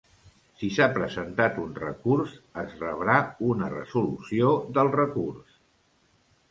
Si s'ha presentat un recurs, es rebrà una resolució del recurs.